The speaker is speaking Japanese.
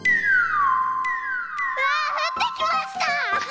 わあふってきました！